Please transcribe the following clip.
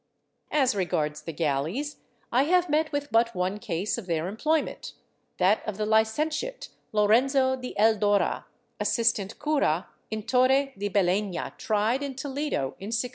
^ As regards the galleys, I have met with but one case of their employment — that of the Licentiate Lorenzo de Eldora, assistant cura in Torre de Belena, tried in Toledo in 1691.